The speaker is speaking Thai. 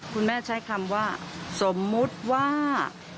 คุณแม่ใช้คำว่าสมมุติว่า